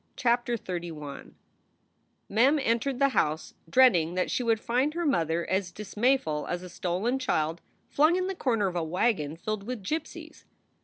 CHAPTER XXXI MEM entered the house dreading that she would find her mother as dismayful as a stolen child flung in the corner of a wagon filled with gypsies.